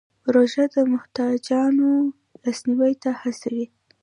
روژه د محتاجانو لاسنیوی ته هڅوي.